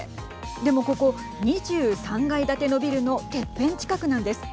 でも、ここ２３階建てのビルのてっぺん近くなんです。